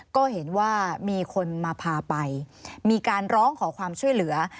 ก็เห็นว่ามีคนมาพาไปมีการร้องขอความช่วยเหลือ